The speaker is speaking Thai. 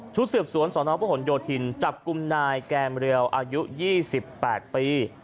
ชุดเสิร์ฟสวนสรพโยธินจับกลุ่มนายแกรมเรียวอายุ๒๘ปี